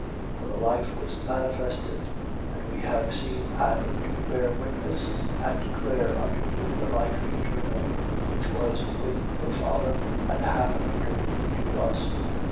1:2. For the life was manifested: and we have seen and do bear witness and declare unto you the life eternal, which was with the Father and hath appeared to us.